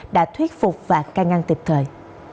đã thuyết phục và ca ngăn tiệp thời